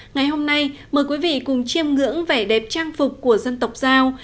ngày hôm nay mời quý vị cùng chiêm ngưỡng vẻ đẹp trang phục của dân tộc giao